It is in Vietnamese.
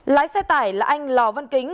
lái xe tải là anh lò văn kính